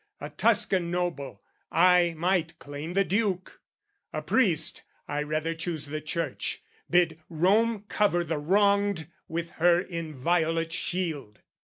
"A Tuscan noble, I might claim the Duke: "A priest, I rather choose the Church, bid Rome "Cover the wronged with her inviolate shield."